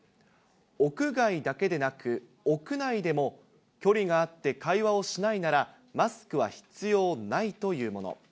屋外だけでなく、屋内でも距離があって会話をしないなら、マスクは必要ないというもの。